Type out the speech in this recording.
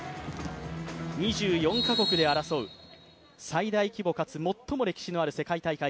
２４か国で争う最大規模かつ最も歴史のある世界大会、